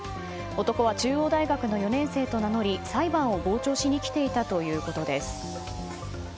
男は中央大学の４年生と名乗り裁判を傍聴しに来ていたということです。